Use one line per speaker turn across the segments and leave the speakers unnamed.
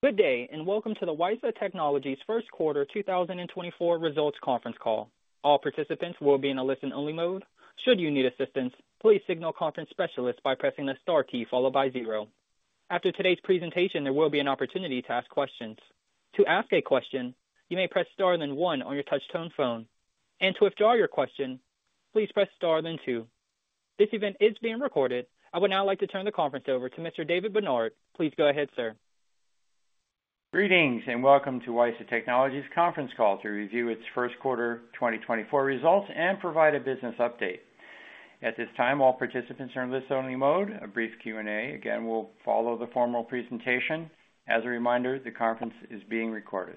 Good day, and welcome to the WiSA Technologies First Quarter 2024 Results Conference Call. All participants will be in a listen-only mode. Should you need assistance, please signal conference specialist by pressing the star key followed by 0. After today's presentation, there will be an opportunity to ask questions. To ask a question, you may press star, then 1 on your touchtone phone, and to withdraw your question, please press star, then 2. This event is being recorded. I would now like to turn the conference over to Mr. David Barnard. Please go ahead, sir.
Greetings, and welcome to WiSA Technologies conference call to review its first quarter 2024 results and provide a business update. At this time, all participants are in listen-only mode. A brief Q&A, again, will follow the formal presentation. As a reminder, the conference is being recorded.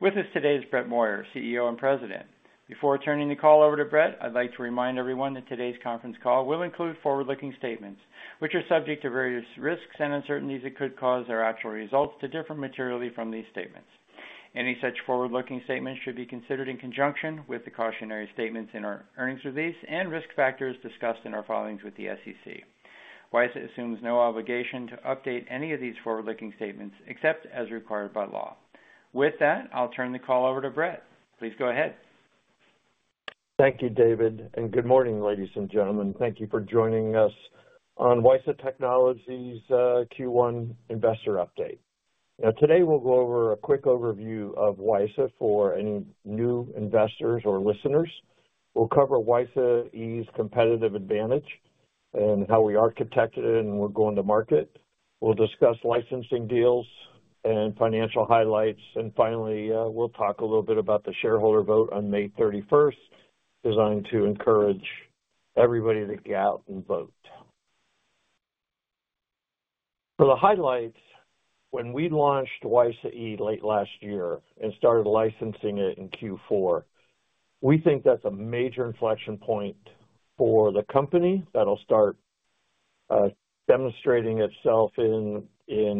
With us today is Brett Moyer, CEO and President. Before turning the call over to Brett, I'd like to remind everyone that today's conference call will include forward-looking statements, which are subject to various risks and uncertainties that could cause our actual results to differ materially from these statements. Any such forward-looking statements should be considered in conjunction with the cautionary statements in our earnings release and risk factors discussed in our filings with the SEC. WiSA assumes no obligation to update any of these forward-looking statements except as required by law. With that, I'll turn the call over to Brett. Please go ahead.
Thank you, David, and good morning, ladies and gentlemen. Thank you for joining us on WiSA Technologies Q1 investor update. Now, today, we'll go over a quick overview of WiSA for any new investors or listeners. We'll cover WiSA E's competitive advantage and how we architected and we're going to market. We'll discuss licensing deals and financial highlights, and finally, we'll talk a little bit about the shareholder vote on May thirty-first, designed to encourage everybody to get out and vote. So the highlights, when we launched WiSA E late last year and started licensing it in Q4, we think that's a major inflection point for the company that'll start demonstrating itself in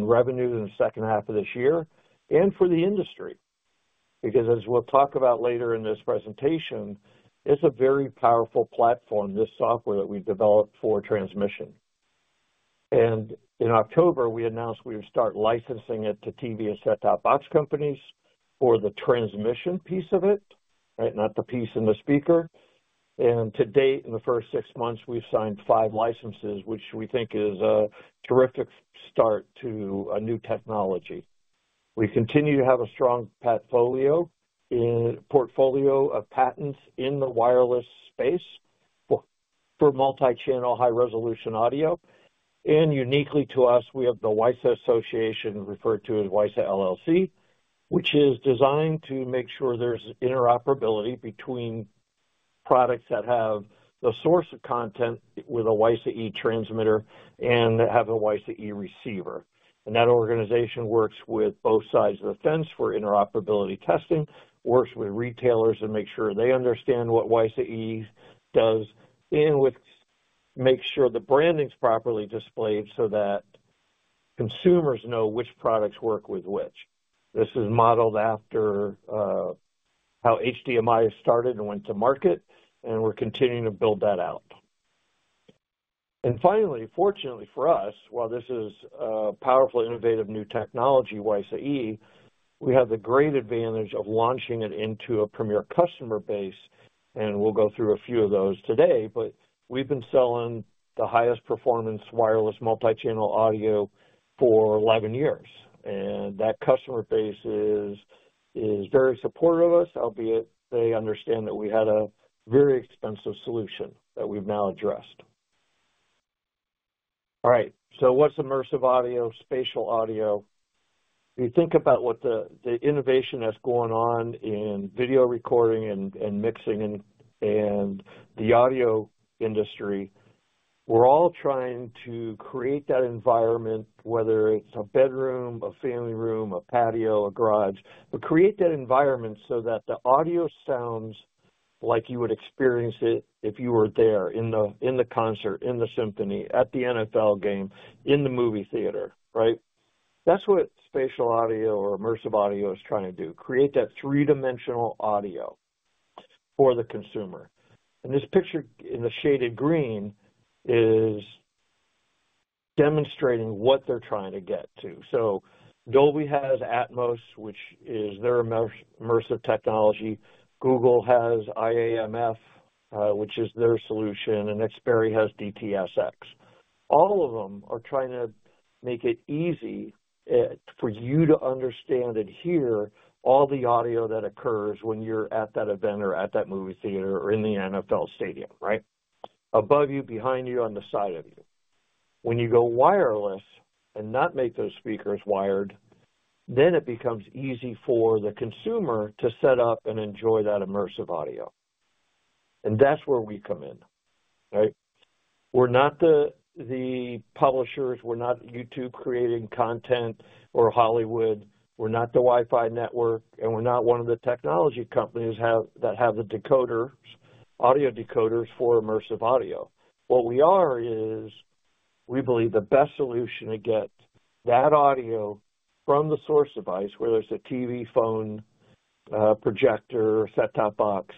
revenue in the second half of this year and for the industry. Because as we'll talk about later in this presentation, it's a very powerful platform, this software that we've developed for transmission. And in October, we announced we would start licensing it to TV and set-top box companies for the transmission piece of it, right? Not the piece in the speaker. And to date, in the first six months, we've signed five licenses, which we think is a terrific start to a new technology. We continue to have a strong portfolio of patents in the wireless space for multi-channel, high-resolution audio, and uniquely to us, we have the WiSA Association, referred to as WiSA LLC, which is designed to make sure there's interoperability between products that have the source of content with a WiSA transmitter and that have a WiSA receiver. And that organization works with both sides of the fence for interoperability testing, works with retailers to make sure they understand what WiSA E does, and with make sure the branding is properly displayed so that consumers know which products work with which. This is modeled after how HDMI started and went to market, and we're continuing to build that out. And finally, fortunately for us, while this is a powerful, innovative, new technology, WiSA E, we have the great advantage of launching it into a premier customer base, and we'll go through a few of those today, but we've been selling the highest performance wireless multi-channel audio for 11 years, and that customer base is very supportive of us, albeit they understand that we had a very expensive solution that we've now addressed. All right, so what's immersive audio, spatial audio? If you think about what the innovation that's going on in video recording and mixing and the audio industry, we're all trying to create that environment, whether it's a bedroom, a family room, a patio, a garage, but create that environment so that the audio sounds like you would experience it if you were there in the concert, in the symphony, at the NFL game, in the movie theater, right? That's what spatial audio or immersive audio is trying to do, create that three-dimensional audio for the consumer. And this picture in the shaded green is demonstrating what they're trying to get to. So Dolby has Atmos, which is their immersive technology. Google has IAMF, which is their solution, and Xperi has DTS:X. All of them are trying to make it easy for you to understand and hear all the audio that occurs when you're at that event or at that movie theater or in the NFL stadium, right? Above you, behind you, on the side of you. When you go wireless and not make those speakers wired, then it becomes easy for the consumer to set up and enjoy that immersive audio. And that's where we come in, right? We're not the publishers, we're not YouTube creating content or Hollywood, we're not the Wi-Fi network, and we're not one of the technology companies that have the decoders, audio decoders for immersive audio. What we are is, we believe, the best solution to get that audio from the source device, whether it's a TV, phone, projector, or set-top box,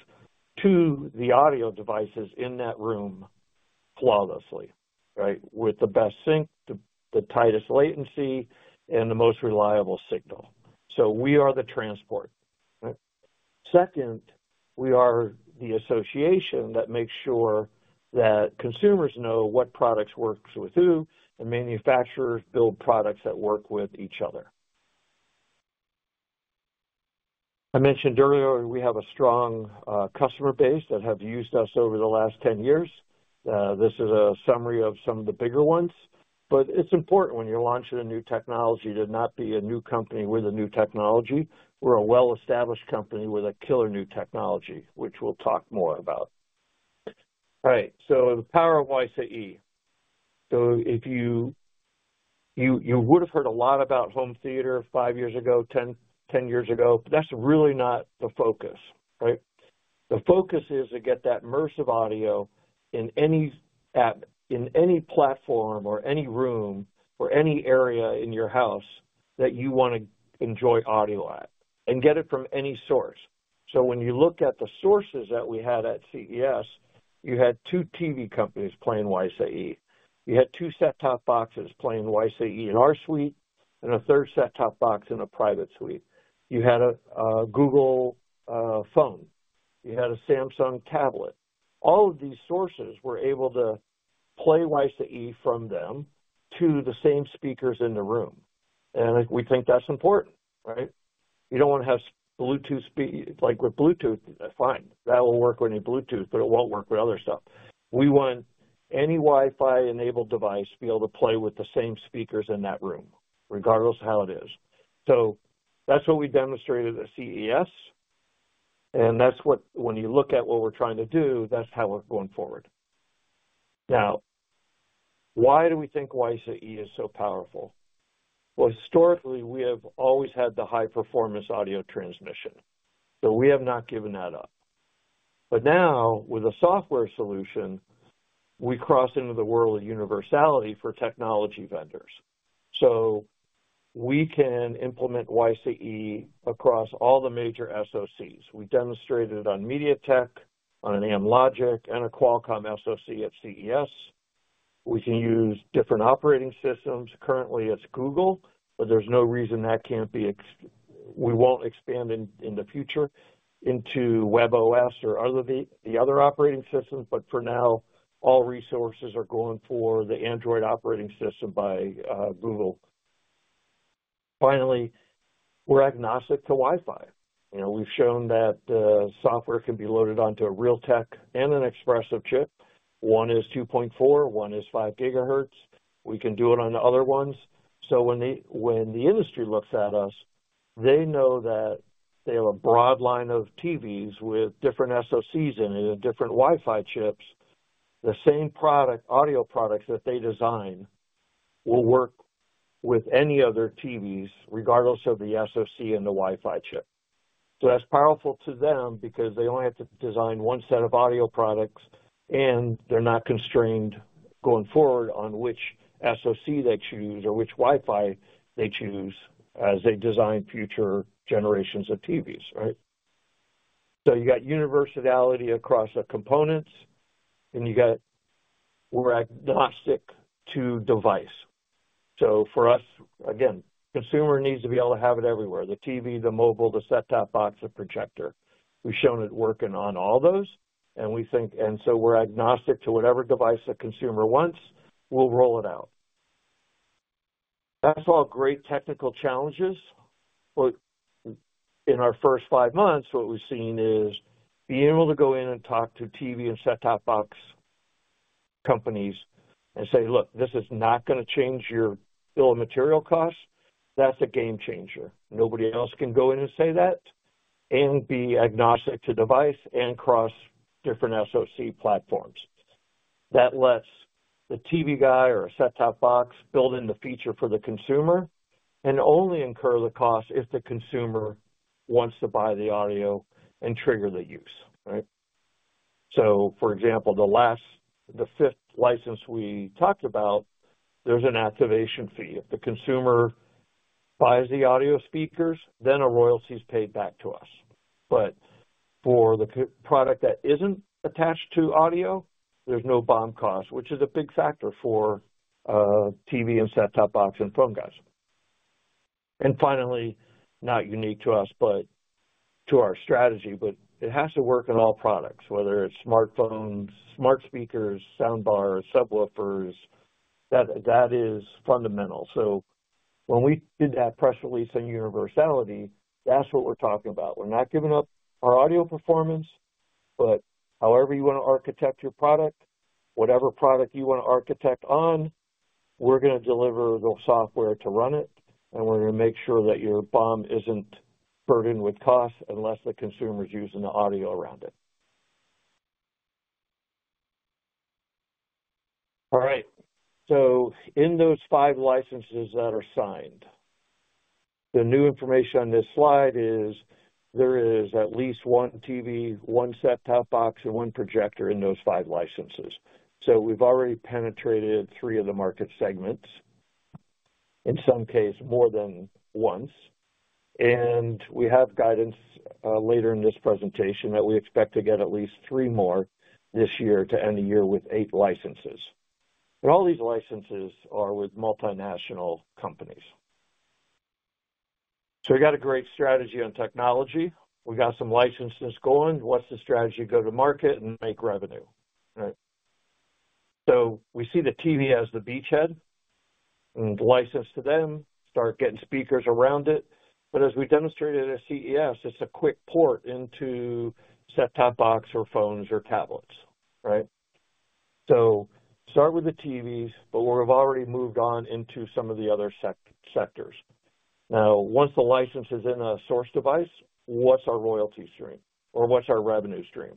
to the audio devices in that room.... flawlessly, right? With the best sync, the tightest latency, and the most reliable signal. So we are the transport, right? Second, we are the association that makes sure that consumers know what products works with who, and manufacturers build products that work with each other. I mentioned earlier, we have a strong customer base that have used us over the last 10 years. This is a summary of some of the bigger ones, but it's important when you're launching a new technology to not be a new company with a new technology. We're a well-established company with a killer new technology, which we'll talk more about. Right, so the power of WiSA E. So if you would have heard a lot about home theater five years ago, 10 years ago, but that's really not the focus, right? The focus is to get that immersive audio in any app, in any platform or any room or any area in your house that you wanna enjoy audio at, and get it from any source. So when you look at the sources that we had at CES, you had two TV companies playing WiSA E. You had two set-top boxes playing WiSA E in our suite, and a third set-top box in a private suite. You had a Google phone. You had a Samsung tablet. All of these sources were able to play WiSA E from them to the same speakers in the room, and we think that's important, right? You don't wanna have Bluetooth speakers. Like, with Bluetooth, fine, that will work with any Bluetooth, but it won't work with other stuff. We want any Wi-Fi enabled device to be able to play with the same speakers in that room, regardless of how it is. So that's what we demonstrated at CES, and that's what... When you look at what we're trying to do, that's how we're going forward. Now, why do we think WiSA E is so powerful? Well, historically, we have always had the high-performance audio transmission, so we have not given that up. But now, with a software solution, we cross into the world of universality for technology vendors. So we can implement WiSA E across all the major SoCs. We demonstrated it on MediaTek, on an Amlogic, and a Qualcomm SoC at CES. We can use different operating systems. Currently, it's Google, but there's no reason that we won't expand in the future into webOS or the other operating systems, but for now, all resources are going for the Android operating system by Google. Finally, we're agnostic to Wi-Fi. You know, we've shown that software can be loaded onto a Realtek and an Espressif chip. One is 2.4, one is 5 GHz. We can do it on the other ones. So when the industry looks at us, they know that they have a broad line of TVs with different SoCs in it and different Wi-Fi chips. The same product, audio products that they design will work with any other TVs, regardless of the SoC and the Wi-Fi chip. So that's powerful to them because they only have to design one set of audio products, and they're not constrained going forward on which SoC they choose or which Wi-Fi they choose as they design future generations of TVs, right? So you got universality across the components, and you got we're agnostic to device. So for us, again, consumer needs to be able to have it everywhere, the TV, the mobile, the set-top box, the projector. We've shown it working on all those, and we think and so we're agnostic to whatever device a consumer wants, we'll roll it out. That's all great technical challenges, but in our first five months, what we've seen is being able to go in and talk to TV and set-top box companies and say, "Look, this is not gonna change your bill of material costs." That's a game changer. Nobody else can go in and say that and be agnostic to device and cross different SoC platforms. That lets the TV guy or a set-top box build in the feature for the consumer and only incur the cost if the consumer wants to buy the audio and trigger the use, right? So for example, the last, the fifth license we talked about, there's an activation fee. If the consumer buys the audio speakers, then a royalty is paid back to us. But for the product that isn't attached to audio, there's no BOM cost, which is a big factor for TV and set-top box and phone guys. And finally, not unique to us, but to our strategy, but it has to work on all products, whether it's smartphones, smart speakers, soundbars, subwoofers. That, that is fundamental. So when we did that press release on universality, that's what we're talking about. We're not giving up our audio performance, but however you wanna architect your product, whatever product you wanna architect on, we're gonna deliver the software to run it, and we're gonna make sure that your BOM isn't burdened with costs unless the consumer is using the audio around it. All right, so in those 5 licenses that are signed, the new information on this slide is there is at least 1 TV, 1 set-top box, and 1 projector in those 5 licenses. So we've already penetrated 3 of the market segments... in some cases, more than once. And we have guidance, later in this presentation, that we expect to get at least 3 more this year to end the year with 8 licenses. And all these licenses are with multinational companies. So we got a great strategy on technology. We got some licenses going. What's the strategy to go to market and make revenue, right? So we see the TV as the beachhead, and license to them, start getting speakers around it. But as we demonstrated at CES, it's a quick port into set-top box or phones or tablets, right? So start with the TVs, but we've already moved on into some of the other sectors. Now, once the license is in a source device, what's our royalty stream or what's our revenue stream?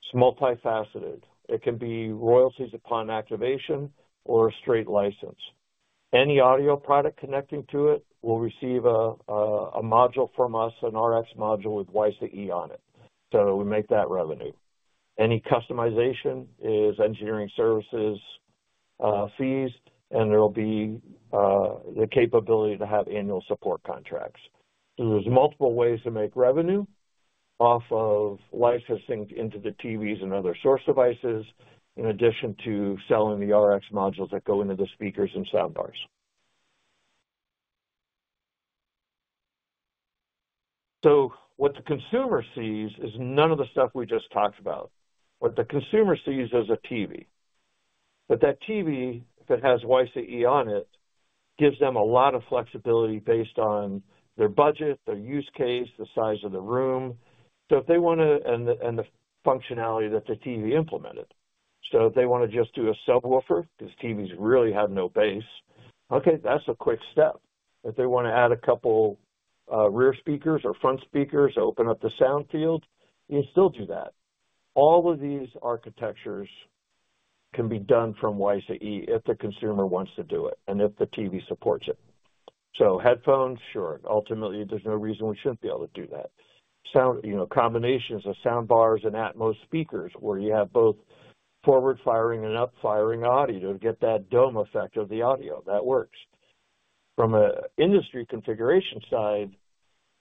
It's multifaceted. It can be royalties upon activation or a straight license. Any audio product connecting to it will receive a module from us, an RX module with WiSA E on it, so we make that revenue. Any customization is engineering services, fees, and there will be the capability to have annual support contracts. So there's multiple ways to make revenue off of licensing into the TVs and other source devices, in addition to selling the RX modules that go into the speakers and soundbars. So what the consumer sees is none of the stuff we just talked about. What the consumer sees is a TV, but that TV, if it has WiSA E on it, gives them a lot of flexibility based on their budget, their use case, the size of the room and the functionality that the TV implemented. So if they wanna just do a subwoofer, because TVs really have no bass, okay, that's a quick step. If they wanna add a couple, rear speakers or front speakers, open up the sound field, you'll still do that. All of these architectures can be done from WiSA E if the consumer wants to do it and if the TV supports it. So headphones, sure. Ultimately, there's no reason we shouldn't be able to do that. Sound, you know, combinations of soundbars and Atmos speakers, where you have both forward-firing and up-firing audio to get that dome effect of the audio, that works. From an industry configuration side,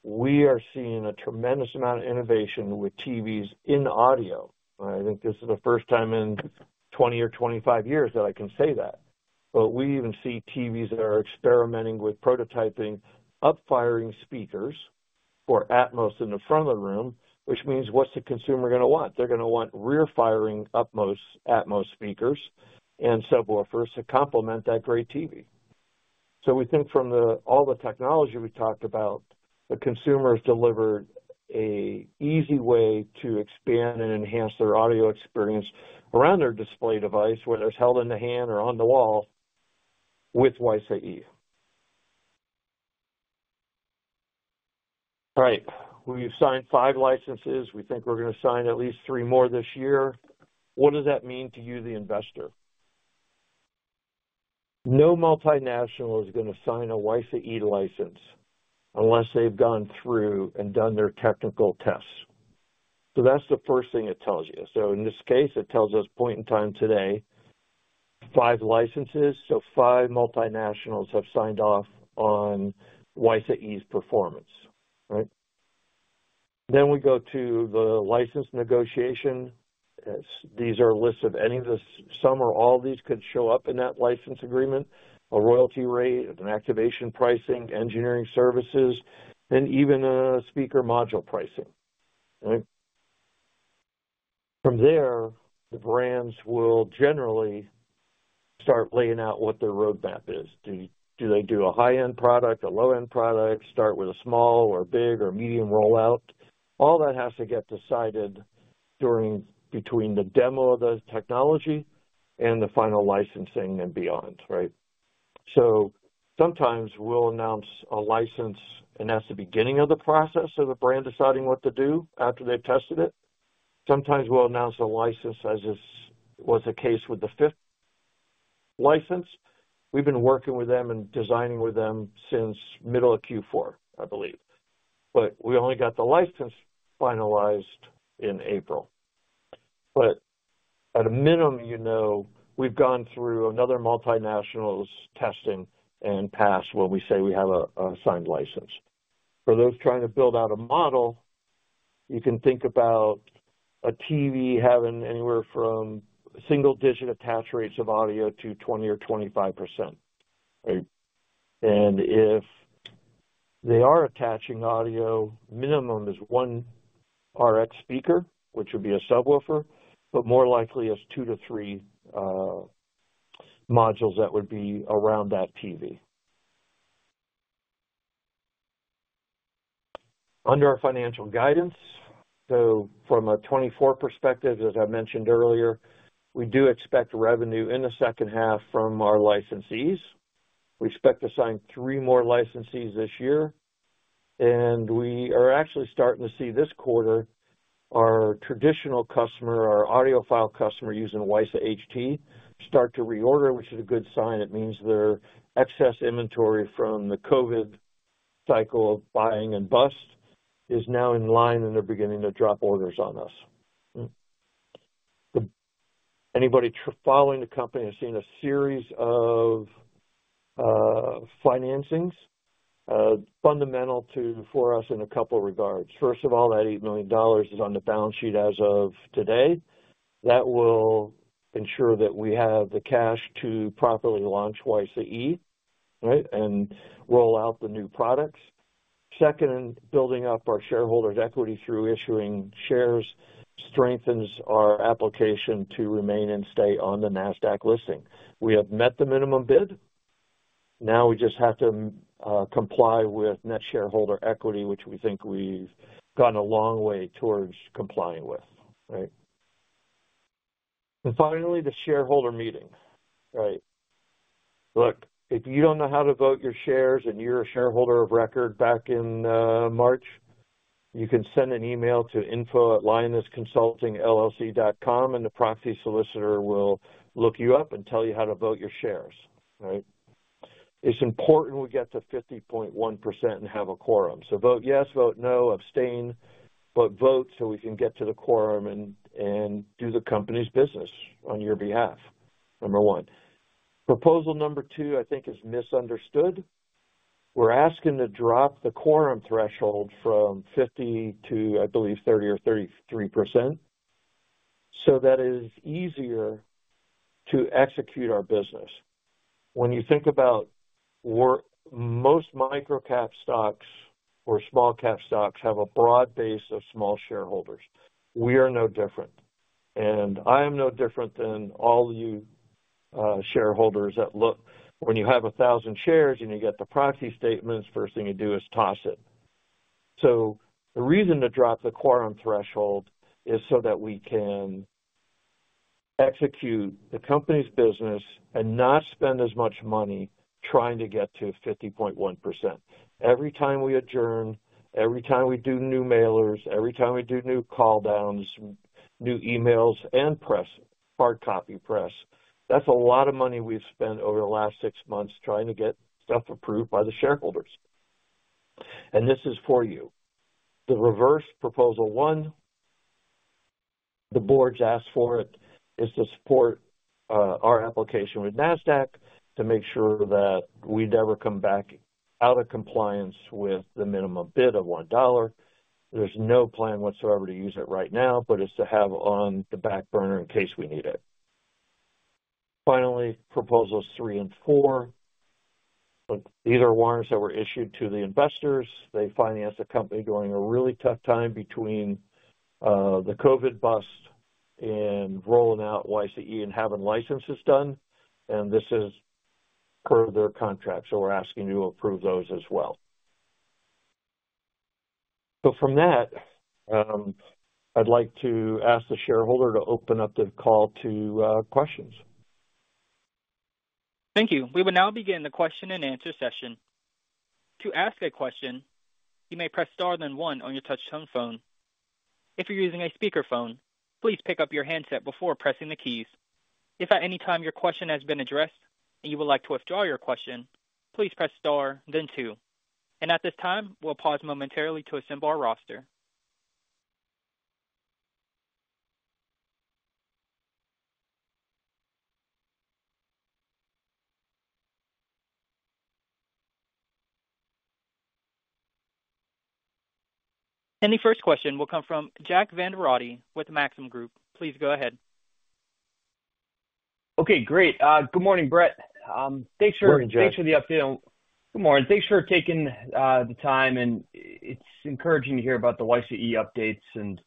we are seeing a tremendous amount of innovation with TVs in audio. I think this is the first time in 20 or 25 years that I can say that. But we even see TVs that are experimenting with prototyping up-firing speakers for Atmos in the front of the room, which means what's the consumer gonna want? They're gonna want rear-firing, up-firing, Atmos speakers and subwoofers to complement that great TV. So we think from all the technology we talked about, the consumer is delivered an easy way to expand and enhance their audio experience around their display device, whether it's held in the hand or on the wall, with WiSA E. All right, we've signed 5 licenses. We think we're gonna sign at least 3 more this year. What does that mean to you, the investor? No multinational is gonna sign a WiSA E license unless they've gone through and done their technical tests. So that's the first thing it tells you. So in this case, it tells us point in time today, 5 licenses, so 5 multinationals have signed off on WiSA E's performance, right? Then we go to the license negotiation. These are a list of some or all of these could show up in that license agreement, a royalty rate, an activation pricing, engineering services, and even a speaker module pricing. Right? From there, the brands will generally start laying out what their roadmap is. Do, do they do a high-end product, a low-end product, start with a small or big or medium rollout? All that has to get decided during between the demo of the technology and the final licensing and beyond, right? So sometimes we'll announce a license, and that's the beginning of the process of a brand deciding what to do after they've tested it. Sometimes we'll announce a license, as is, was the case with the fifth license. We've been working with them and designing with them since middle of Q4, I believe, but we only got the license finalized in April. But at a minimum, you know, we've gone through another multinational's testing and passed when we say we have a signed license. For those trying to build out a model, you can think about a TV having anywhere from single-digit attach rates of audio to 20 or 25%, right? And if they are attaching audio, minimum is 1 RX speaker, which would be a subwoofer, but more likely, it's 2-3 modules that would be around that TV. Under our financial guidance, so from a 2024 perspective, as I mentioned earlier, we do expect revenue in the second half from our licensees. We expect to sign 3 more licensees this year, and we are actually starting to see this quarter, our traditional customer, our audiophile customer, using WiSA HT, start to reorder, which is a good sign. It means their excess inventory from the COVID cycle of buying and bust is now in line, and they're beginning to drop orders on us. Anybody following the company has seen a series of financings fundamental to, for us in a couple regards. First of all, that $8 million is on the balance sheet as of today. That will ensure that we have the cash to properly launch WiSA E, right, and roll out the new products. Second, in building up our shareholders' equity through issuing shares, strengthens our application to remain and stay on the Nasdaq listing. We have met the minimum bid. Now we just have to comply with net shareholder equity, which we think we've gone a long way towards complying with, right? And finally, the shareholder meeting, right? Look, if you don't know how to vote your shares and you're a shareholder of record back in March, you can send an email to info@allianceadvisors.com, and the proxy solicitor will look you up and tell you how to vote your shares, right? It's important we get to 50.1% and have a quorum. So vote yes, vote no, abstain, but vote so we can get to the quorum and do the company's business on your behalf, number one. Proposal number two, I think, is misunderstood. We're asking to drop the quorum threshold from 50 to, I believe, 30 or 33%, so that it is easier to execute our business. When you think about work, most micro-cap stocks or small-cap stocks have a broad base of small shareholders. We are no different, and I am no different than all you shareholders that look when you have 1,000 shares and you get the proxy statements, first thing you do is toss it. So the reason to drop the quorum threshold is so that we can execute the company's business and not spend as much money trying to get to 50.1%. Every time we adjourn, every time we do new mailers, every time we do new call downs, new emails and press, hard copy press, that's a lot of money we've spent over the last six months trying to get stuff approved by the shareholders. And this is for you. The reverse proposal one, the boards asked for it, is to support our application with Nasdaq to make sure that we never come back out of compliance with the minimum bid of $1. There's no plan whatsoever to use it right now, but it's to have on the back burner in case we need it. Finally, proposals three and four. Look, these are warrants that were issued to the investors. They financed the company during a really tough time between the COVID bust and rolling out WiSA E and having licenses done, and this is per their contract, so we're asking you to approve those as well. So from that, I'd like to ask the shareholder to open up the call to questions.
Thank you. We will now begin the question-and-answer session. To ask a question, you may press star, then one on your touchtone phone. If you're using a speakerphone, please pick up your handset before pressing the keys. If at any time your question has been addressed and you would like to withdraw your question, please press star, then two. At this time, we'll pause momentarily to assemble our roster. The first question will come from Jack Vander Aarde with Maxim Group. Please go ahead.
Okay, great. Good morning, Brett. Thanks for-
Morning, Jack.
Thanks for the update. Good morning. Thanks for taking the time, and it's encouraging to hear about the WiSA E updates, and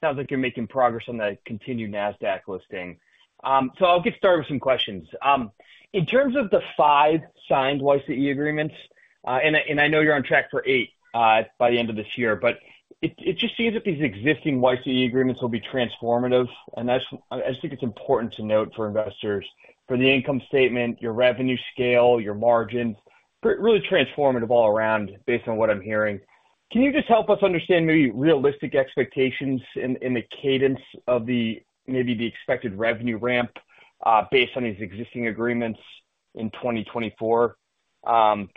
sounds like you're making progress on that continued Nasdaq listing. So I'll get started with some questions. In terms of the 5 signed WiSA E agreements, and I know you're on track for 8 by the end of this year, but it just seems that these existing WiSA E agreements will be transformative, and that's—I think it's important to note for investors, for the income statement, your revenue scale, your margins, but really transformative all around, based on what I'm hearing. Can you just help us understand maybe realistic expectations in the cadence of the maybe the expected revenue ramp, based on these existing agreements in 2024?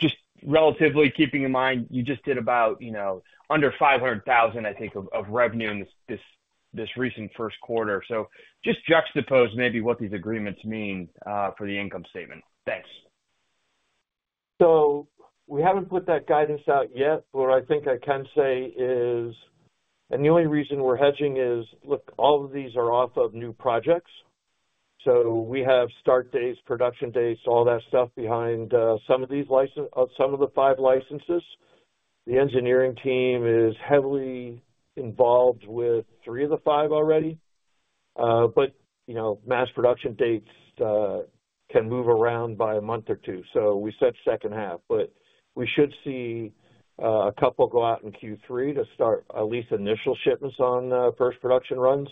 Just relatively keeping in mind, you just did about, you know, under $500,000, I think, of revenue in this recent first quarter. So just juxtapose maybe what these agreements mean for the income statement. Thanks.
So we haven't put that guidance out yet. What I think I can say is, and the only reason we're hedging is, look, all of these are off of new projects, so we have start dates, production dates, all that stuff behind some of the five licenses. The engineering team is heavily involved with three of the five already. But, you know, mass production dates can move around by a month or two, so we said second half. But we should see a couple go out in Q3 to start at least initial shipments on first production runs,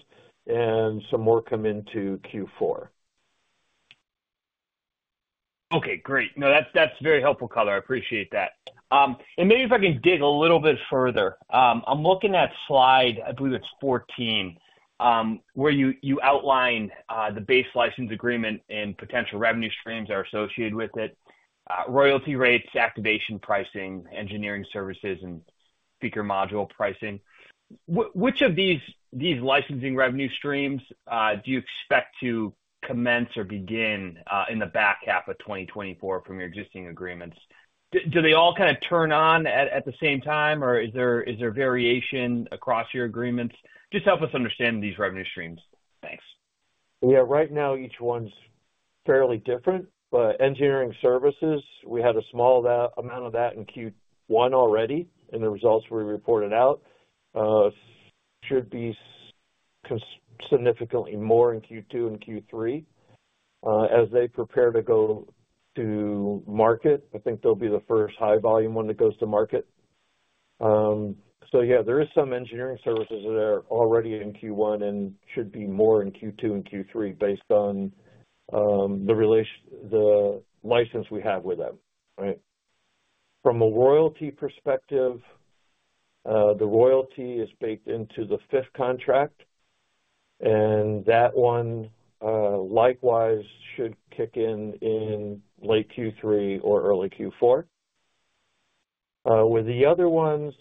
and some more come into Q4.
Okay, great. No, that's, that's very helpful color. I appreciate that. And maybe if I can dig a little bit further. I'm looking at slide 14, where you, you outline the base license agreement and potential revenue streams that are associated with it: royalty rates, activation pricing, engineering services, and speaker module pricing. Which of these, these licensing revenue streams do you expect to commence or begin in the back half of 2024 from your existing agreements? Do they all kind of turn on at, at the same time, or is there, is there variation across your agreements? Just help us understand these revenue streams. Thanks.
Yeah. Right now, each one's fairly different, but engineering services, we had a small amount of that in Q1 already, and the results were reported out. Should be significantly more in Q2 and Q3. As they prepare to go to market, I think they'll be the first high volume one that goes to market. So yeah, there is some engineering services that are already in Q1 and should be more in Q2 and Q3 based on the license we have with them, right? From a royalty perspective, the royalty is baked into the fifth contract, and that one, likewise, should kick in in late Q3 or early Q4. With the other ones,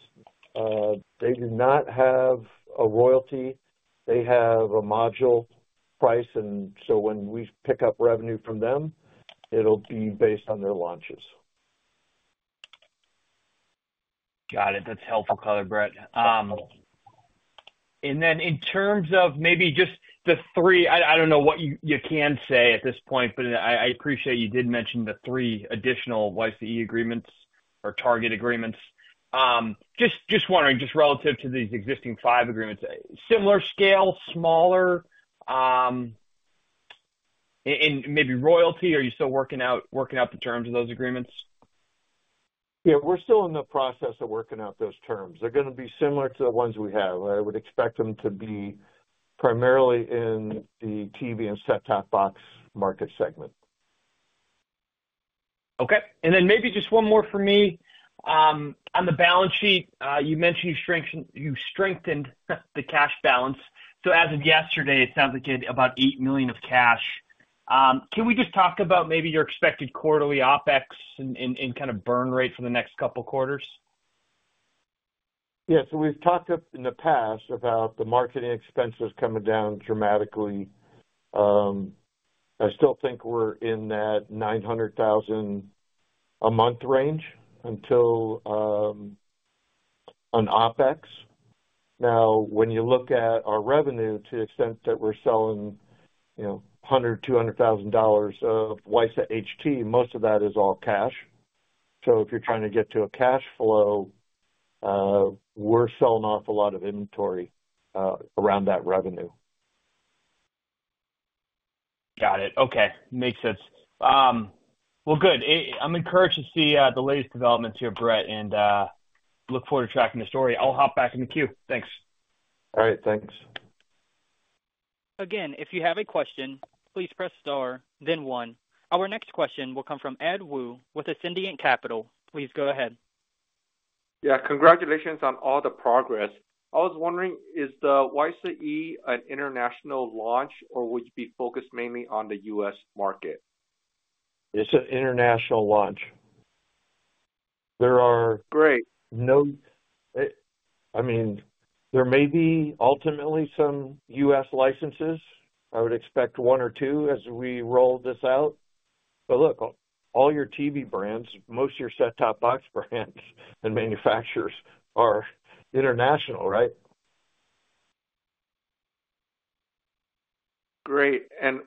they do not have a royalty. They have a module price, and so when we pick up revenue from them, it'll be based on their launches.
Got it. That's helpful color, Brett. And then in terms of maybe just the 3... I don't know what you can say at this point, but I appreciate you did mention the 3 additional WiSA E agreements or target agreements. Just wondering, just relative to these existing 5 agreements, similar scale, smaller? And maybe royalty, are you still working out the terms of those agreements?
Yeah, we're still in the process of working out those terms. They're gonna be similar to the ones we have. I would expect them to be primarily in the TV and set-top box market segment.
Okay, and then maybe just one more for me. On the balance sheet, you mentioned you strengthened, you strengthened the cash balance. So as of yesterday, it sounds like you had about $8 million of cash. Can we just talk about maybe your expected quarterly OpEx and kind of burn rate for the next couple quarters?
Yeah, so we've talked up in the past about the marketing expenses coming down dramatically. I still think we're in that $900,000 a month range until on OpEx. Now, when you look at our revenue to the extent that we're selling, you know, $100,000-$200,000 of WiSA HT, most of that is all cash. So if you're trying to get to a cash flow, we're selling off a lot of inventory around that revenue.
Got it. Okay, makes sense. Well, good. I'm encouraged to see the latest developments here, Brett, and look forward to tracking the story. I'll hop back in the queue. Thanks.
All right, thanks.
Again, if you have a question, please press star then one. Our next question will come from Edward Woo with Ascendiant Capital Markets. Please go ahead.
Yeah, congratulations on all the progress. I was wondering, is the WiSA E an international launch, or would you be focused mainly on the U.S. market?
It's an international launch. There are-
Great!
No, I mean, there may be ultimately some U.S. licenses. I would expect one or two as we roll this out. But look, all your TV brands, most of your set-top box brands and manufacturers are international, right?
Great. And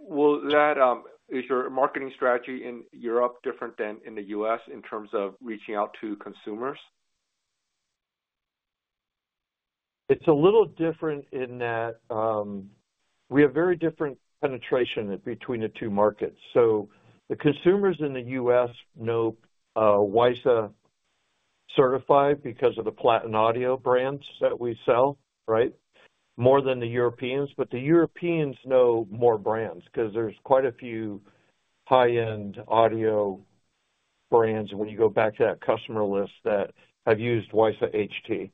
is your marketing strategy in Europe different than in the US in terms of reaching out to consumers?
It's a little different in that we have very different penetration between the two markets. So the consumers in the U.S. know WiSA certified because of the Platin Audio brands that we sell, right? More than the Europeans, but the Europeans know more brands 'cause there's quite a few high-end audio brands, when you go back to that customer list, that have used WiSA HT.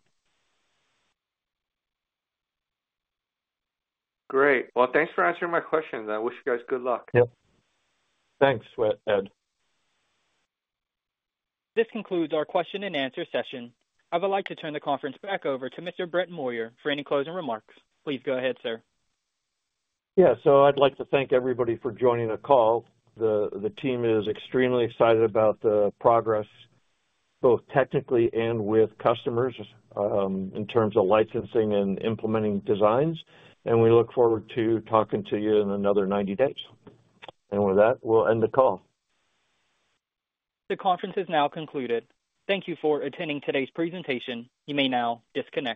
Great. Well, thanks for answering my questions. I wish you guys good luck.
Yep. Thanks, Ed.
This concludes our question and answer session. I would like to turn the conference back over to Mr. Brett Moyer for any closing remarks. Please go ahead, sir.
Yeah, so I'd like to thank everybody for joining the call. The team is extremely excited about the progress, both technically and with customers, in terms of licensing and implementing designs, and we look forward to talking to you in another 90 days. And with that, we'll end the call.
The conference is now concluded. Thank you for attending today's presentation. You may now disconnect.